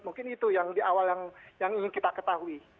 mungkin itu yang di awal yang ingin kita ketahui